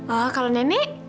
oh kalau nenek